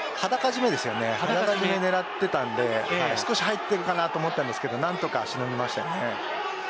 裸絞めを狙ってたので少し入っているかなと思ったんですけど何とか、しのぎましたね。